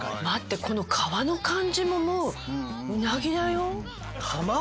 待ってこの皮の感じももううなぎだよ。